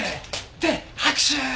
で拍手。